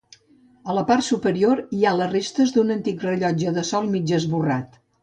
A la part superior hi ha les restes d'un antic rellotge de sol mig esborrat.